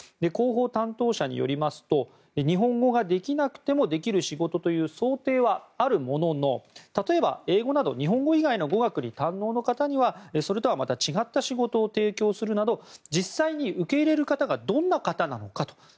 広報担当者によりますと日本語ができなくてもできる仕事という想定はあるものの例えば、英語など日本語以外の語学に堪能な方にはそれとはまた違った仕事を提供するなど実際に受け入れる方がどんな方なのかと。